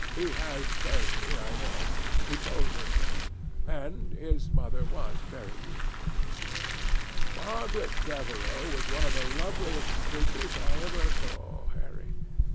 He has Selby, I know. He told me so. And ... his mother was very beautiful?" "Margaret Devereux was one of the loveliest creatures I ever saw, Harry.